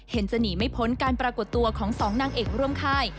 จะหนีไม่พ้นการปรากฏตัวของสองนางเอกร่วมค่าย